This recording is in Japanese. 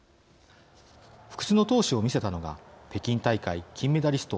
不屈の闘志を見せたのが北京大会金メダリスト